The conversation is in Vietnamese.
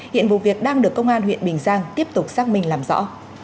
hiện vụ việc đang được công an huyện bình giang tiếp tục xác minh làm rõ